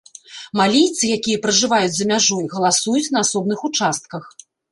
Малійцы, якія пражываюць за мяжой галасуюць на асобных участках.